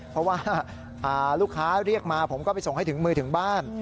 เพราะว่าลูกค้าเรียกมาผมก็ไปส่งให้ถึงมือถึงบ้าน